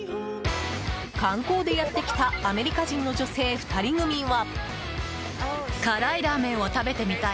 観光でやってきたアメリカ人の女性２人組は。